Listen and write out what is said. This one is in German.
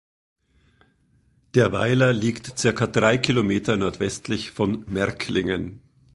Der Weiler liegt circa drei Kilometer nordwestlich von Merklingen.